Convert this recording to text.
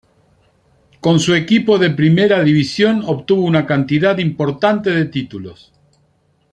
Con su equipo de primera división, obtuvo una cantidad importante de títulos.